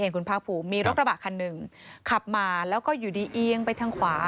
คุณภาคภูมิมีรถกระบะคันหนึ่งขับมาแล้วก็อยู่ดีเอียงไปทางขวา